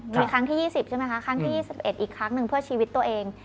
มีครั้งที่๒๐ใช่ไหมคะครั้งที่๒๑อีกครั้งหนึ่งเพื่อชีวิตตัวเอง